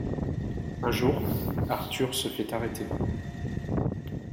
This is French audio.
Un jour, Arthur se fait arrêter...